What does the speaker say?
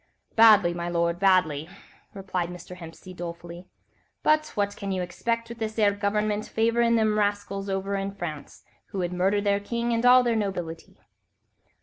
"Badly, my lord, badly," replied Mr. Hempseed, dolefully, "but what can you 'xpect with this 'ere government favourin' them rascals over in France, who would murder their king and all their nobility."